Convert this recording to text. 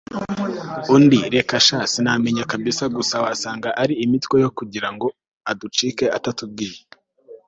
undi reka sha sinamenya kabsa, gusa wasanga ari imitwe yo kugira ngo aducike atatubwiye